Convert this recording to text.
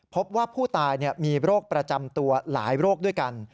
พบว่าผู้ตายมีโรคประจำตัวหลายโรคด้วยกัน